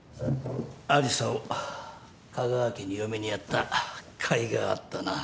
有沙を香川家に嫁にやったかいがあったな。